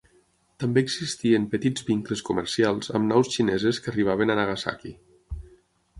També existien petits vincles comercials amb naus xineses que arribaven a Nagasaki.